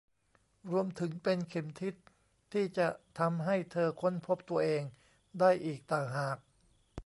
รวมถึงเป็นเข็มทิศที่จะทำให้เธอค้นพบตัวเองได้อีกต่างหาก